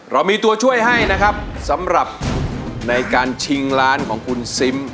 เรามีตัวช่วยให้สำหรับชิงร้านของคุณซิม